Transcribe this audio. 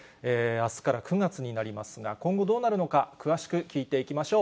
あすから９月になりますが、今後、どうなるのか、詳しく聞いていきましょう。